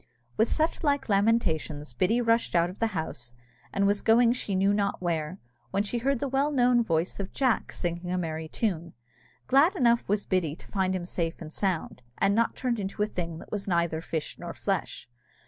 With such like lamentations Biddy rushed out of the house, and was going she knew not where, when she heard the well known voice of Jack singing a merry tune. Glad enough was Biddy to find him safe and sound, and not turned into a thing that was like neither fish nor flesh.